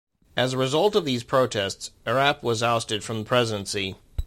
As a result of these protests, Erap was ousted from the presidency.